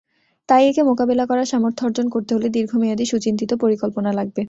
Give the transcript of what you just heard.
তাই একে মোকাবিলা করার সামর্থ্য অর্জন করতে হলে দীর্ঘমেয়াদি সুচিন্তিত পরিকল্পনা লাগবে।